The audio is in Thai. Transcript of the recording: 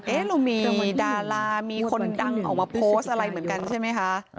เรามีดารามีคนดังออกมาโพสต์อะไรเหมือนกันใช่ไหมคะ